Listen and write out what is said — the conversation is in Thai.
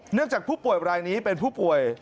จากผู้ป่วยรายนี้เป็นผู้ป่วย